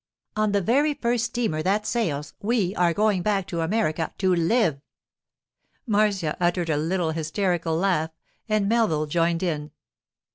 'On the very first steamer that sails, we are going back to America to live!' Marcia uttered a little hysterical laugh, and Melville joined in.